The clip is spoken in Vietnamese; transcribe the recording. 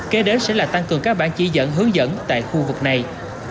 kế đến sẽ là tăng cường các bản chỉ dẫn hướng dẫn tại khu vực này